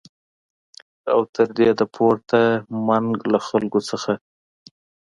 او تر دې د پورته منګ له خلکو څخه